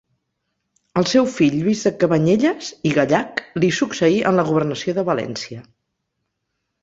El seu fill Lluís de Cabanyelles i Gallac li succeí en la governació de València.